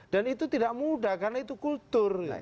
itu tidak mudah karena itu kultur